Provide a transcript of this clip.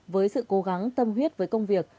với sự cố gắng tâm huyết với công việc